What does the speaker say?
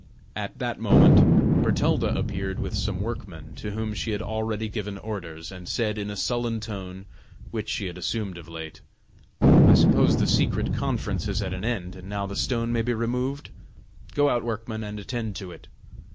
At that moment Bertalda appeared with some workmen, to whom she had already given orders, and said in a sullen tone, which she had assumed of late: "I suppose the secret conference is at an end, and now the stone may be removed. Go out, workmen, and attend to it."